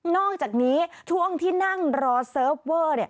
อกจากนี้ช่วงที่นั่งรอเซิร์ฟเวอร์